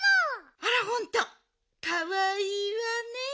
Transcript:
あらほんとうかわいいわね。